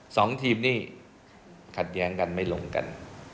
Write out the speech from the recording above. สองทีมนี่ขัดแย้งกันไม่ลงกัน